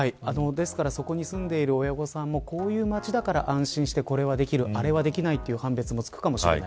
ですから、そこに住んでいる親御さんもこういう町だからこれはできる、あれはできないという判別もつくかもしれない。